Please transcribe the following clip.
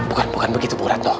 bukan bukan begitu bu ranto